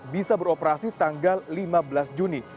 bisa beroperasi tanggal lima belas juni